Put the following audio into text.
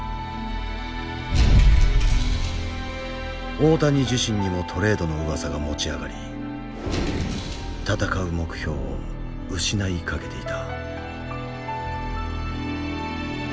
大谷自身にもトレードのうわさが持ち上がり闘う目標を失いかけていた。